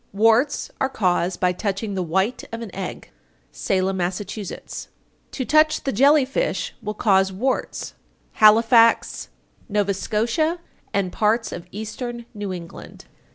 _ 878. Warts are caused by touching the white of an egg. Salem, Mass. 879. To touch the jelly fish will cause warts. _Halifax, N.S., and parts of Eastern New England.